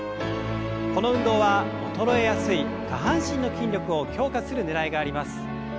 この運動は衰えやすい下半身の筋力を強化するねらいがあります。